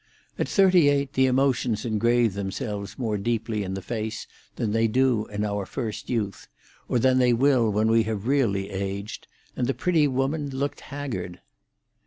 At thirty eight the emotions engrave themselves more deeply in the face than they do in our first youth, or than they will when we have really aged, and the pretty woman looked haggard.